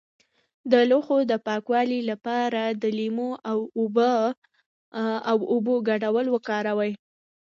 د لوښو د پاکوالي لپاره د لیمو او اوبو ګډول وکاروئ